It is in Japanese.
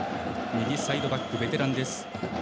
右サイドバック、ベテランです。